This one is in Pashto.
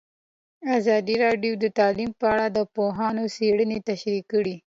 ازادي راډیو د تعلیم په اړه د پوهانو څېړنې تشریح کړې.